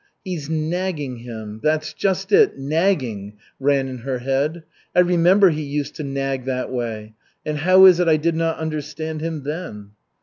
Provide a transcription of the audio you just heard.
"He's nagging him, that just it, nagging!" ran in her head. "I remember he used to nag that way, and how is it I did not understand him then?"